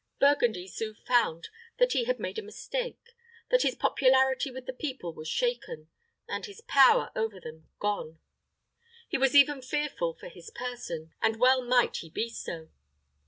Burgundy soon found that he had made a mistake; that his popularity with the people was shaken, and his power over them gone. He was even fearful for his person; and well might he be so.